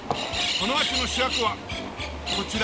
この街の主役はこちら。